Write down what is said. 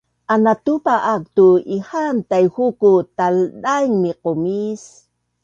Anatupa aak tu ihaan Taihuku taldaing miqumis